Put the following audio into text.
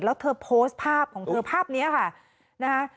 แล้วเธอโพสต์ภาพของเธอภาพนี้ค่ะนะคะ